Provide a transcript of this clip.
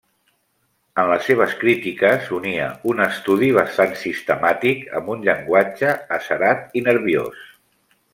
En les seves crítiques unia un estudi bastant sistemàtic amb un llenguatge acerat i nerviós.